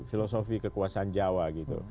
filosofi kekuasaan jawa gitu